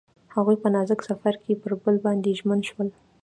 هغوی په نازک سفر کې پر بل باندې ژمن شول.